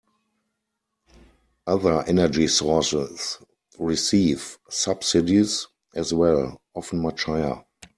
Other energy sources receive subsidies as well, often much higher.